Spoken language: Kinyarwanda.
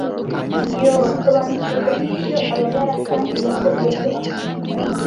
yoo sobanukirwa nibyo ababara kandi wumve uburyo akunda